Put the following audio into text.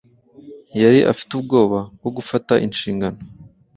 Yari afite ubwoba bwo gufata inshingano.